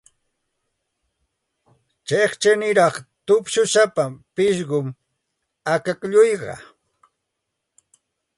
Chiqchiniraq tupshusapa pishqum akaklluqa.